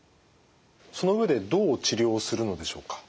その上でどう治療をするのでしょうか？